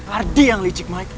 ardi yang licik mai